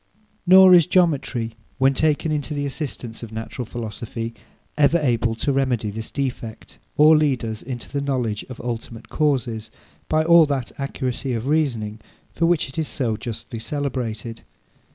Nor is geometry, when taken into the assistance of natural philosophy, ever able to remedy this defect, or lead us into the knowledge of ultimate causes, by all that accuracy of reasoning for which it is so justly celebrated.